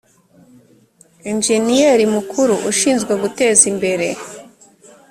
enjeniyeri mukuru ushinzwe guteza imbere